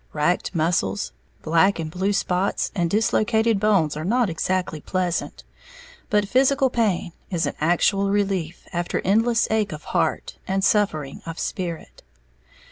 Racked muscles, black and blue spots, and dislocated bones are not exactly pleasant; but physical pain is an actual relief after endless ache of heart and suffering of spirit.